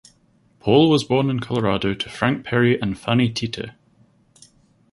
Paul was born in Colorado to Frank Perry and Fanny Teeter.